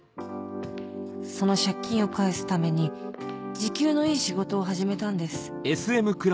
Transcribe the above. その借金を返すために時給のいい仕事を始めたんです